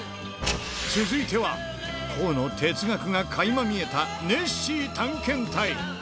続いては、康の哲学がかいま見えたネッシー探検隊。